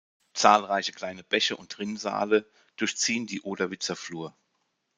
Zahlreiche kleine Bäche und Rinnsale durchziehen die Oderwitzer Flur.